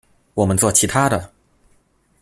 我們做其他的